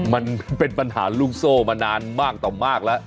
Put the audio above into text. มันเป็นปัญหาลูกโซ่มานานมากต่อมากแล้ว